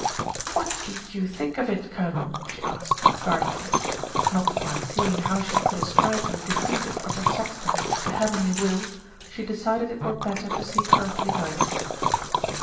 "What did you think of it, Colonel?" she asked, A VILLAGE DIVIDED AGAINST ITSELF 227 guardedly. Not quite seeing how she could ascribe the defeat of Upper Saxton to Heavenly Will, she decided it were better to seek earthly guidance.